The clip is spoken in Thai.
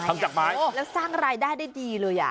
จากไม้แล้วสร้างรายได้ได้ดีเลยอ่ะ